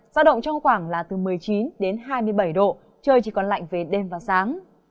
giao động trong khoảng là từ một mươi chín đến hai mươi bảy độ trời chỉ còn lạnh về đêm và sáng